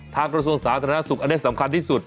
กระทรวงสาธารณสุขอันนี้สำคัญที่สุด